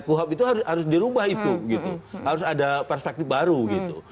kuhab itu harus dirubah itu gitu harus ada perspektif baru gitu